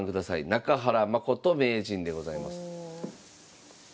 中原誠名人でございます。